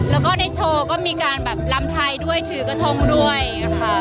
แล้วก็ในโชว์ก็มีการแบบลำไทยด้วยถือกระทงด้วยค่ะ